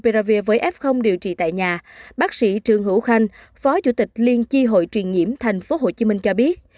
thuốc kháng virus monopiravir với f điều trị tại nhà bác sĩ trương hữu khanh phó chủ tịch liên chi hội truyền nhiễm tp hcm cho biết